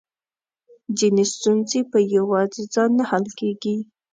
ځينې ستونزې په يواځې ځان نه حل کېږي .